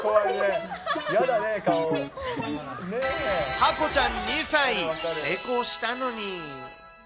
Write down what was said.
はこちゃん２歳、成功したのに。